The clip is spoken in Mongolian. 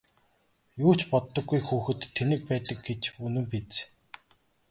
Юу ч боддоггүй хүүхэд тэнэг байдаг гэж үнэн биз!